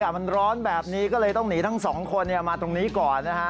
มันร้อนแบบนี้ก็เลยต้องหนีทั้งสองคนมาตรงนี้ก่อนนะฮะ